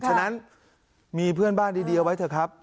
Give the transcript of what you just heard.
ฉะนั้นมีเพื่อนบ้านดีเอาไว้เถอะครับ